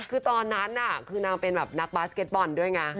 คือตอนนั้นคือนางเป็นแบบนักบาสเก็ตบอลด้วยไง